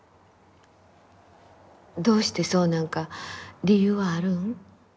どうしてそうなんか理由はあるん？